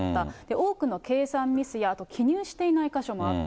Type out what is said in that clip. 多くの計算ミスや、あと、記入していない箇所もあった。